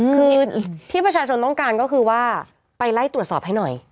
คือที่ประชาชนต้องการก็คือว่าไปไล่ตรวจสอบให้หน่อย